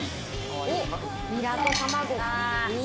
ニラと卵。